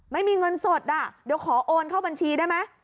ไม่มีเงินสดอ่ะเดี๋ยวขอโอนเข้าบัญชีได้ไหม